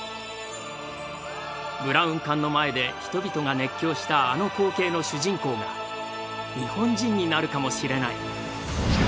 ブラウン管の前で人々が熱狂したあの光景の主人公が日本人になるかもしれない。